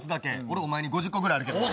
俺お前に５０個ぐらいあるけど。